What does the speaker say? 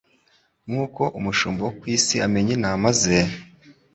Nk'uko umushumba wo ku isi amenya intama ze,